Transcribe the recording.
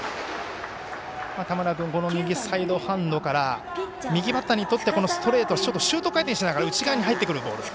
田村君右サイドハンドから右バッターにとってストレートがシュート回転しながら内側に入ってくるボール。